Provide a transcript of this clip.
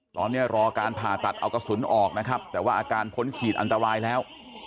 ตอนนี้รอการผ่าตัดเอากระสุนออกนะครับแต่ว่าอาการพ้นขีดอันตรายแล้ว